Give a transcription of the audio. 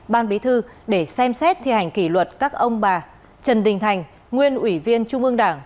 ban bí thư để xem xét thi hành kỷ luật các ông bà trần đình thành nguyên ủy viên trung ương đảng